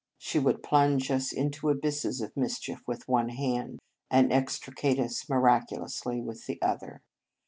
She would plunge us into abysses of mischief with one hand, and extricate us miraculously with the other.